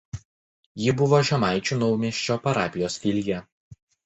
Ji buvo Žemaičių Naumiesčio parapijos filija.